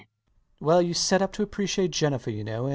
Well, you set up to appreciate Jennifer, you know.